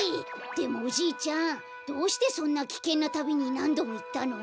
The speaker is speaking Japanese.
でもおじいちゃんどうしてそんなきけんなたびになんどもいったの？